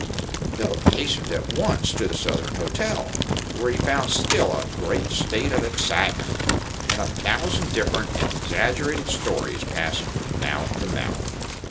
Philip hastened at once to the Southern Hotel, where he found still a great state of excitement, and a thousand different and exaggerated stories passing from mouth to mouth.